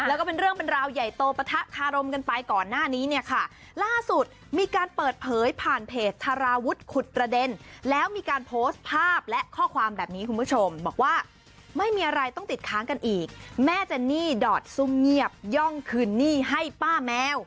แล้วก็เป็นเรื่องเป็นราวใหญ่โตปะทะคารมกันไปก่อนหน้านี้เนี่ยค่ะล่าสุดมีการเปิดเผยผ่านเพจทาราวุฒิขุดประเด็นแล้วมีการโพสต์ภาพและข้อความแบบนี้คุณผู้ชมบอกว่าไม่มีอะไรต้องติดค้างกันอีกแม่เจนนี่ดอดซุ่มเงียบย่องคืนหนี้ให้ป้าแมว